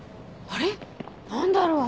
あれ何だろう？